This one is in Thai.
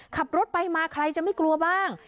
ขับรถไปมาใครจะไม่กลัวบ้าง